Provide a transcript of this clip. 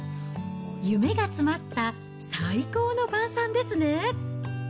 夢が詰まった最高の晩さんですね。